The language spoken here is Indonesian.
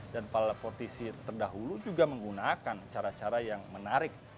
dan politisi terdahulu juga menggunakan cara cara yang menarik